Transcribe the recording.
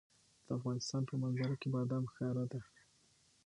د افغانستان په منظره کې بادام ښکاره ده.